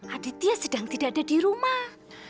aditya sedang tidak ada di rumah